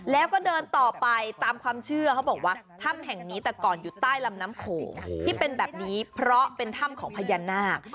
แล้วก็เดินต่อไปตามความเชื่อเขาบอกว่าถ้ำแห่งนี้แต่ก่อนอยู่ใต้ลำน้ำโขงที่เป็นแบบนี้เพราะเป็นถ้ำของพญานาค